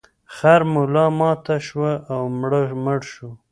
خر ملا ماته شوه او مړ شو.